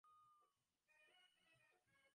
আমি এটাকে মেরে ফেলব।